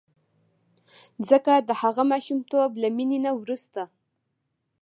ځکه د هغه ماشومتوب له مینې نه وروسته.